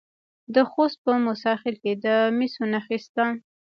د خوست په موسی خیل کې د مسو نښې شته.